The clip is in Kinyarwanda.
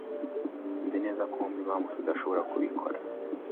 Nzi neza ko wumva impamvu tudashobora kubikora.